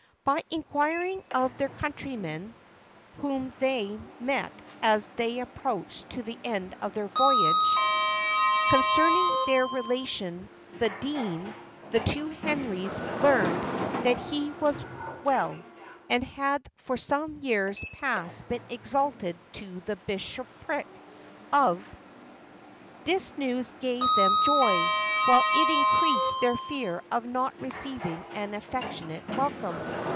By inquiring of their countrymen (whom they met as they approached to the end of their voyage), concerning their relation the dean, the two Henrys learned that he was well, and had for some years past been exalted to the bishopric of . This news gave them joy, while it increased their fear of not receiving an affectionate welcome.